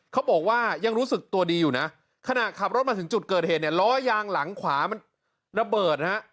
เขาบอกว่ายังรู้สึกตัวดีอยู่นะขณะขับรถมาถึงจุดเกิดเหตุเนี่ยล้อยางหลังขวามันระเบิดฮะ